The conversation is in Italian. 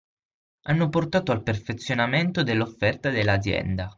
Hanno portato al perfezionamento dell'offerta dell'azienda.